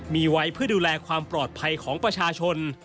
มีไว้เพื่อดูแลความปลอดภัยของประชาชน